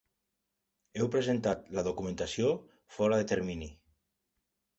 Heu presentat la documentació fora de termini.